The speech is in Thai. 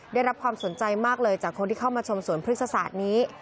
ได้รับความสนใจมากเลยจากคนที่เข้ามาชมสวนพฤกษศาสตร์นี้